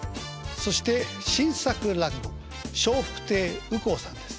そして新作落語笑福亭羽光さんです。